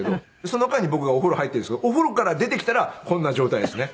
その間に僕がお風呂入ってるんですけどお風呂から出てきたらこんな状態ですね。